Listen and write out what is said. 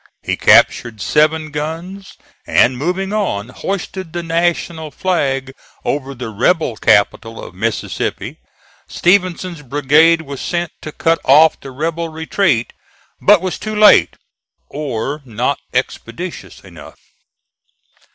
He captured seven guns and, moving on, hoisted the National flag over the rebel capital of Mississippi. Stevenson's brigade was sent to cut off the rebel retreat, but was too late or not expeditious enough.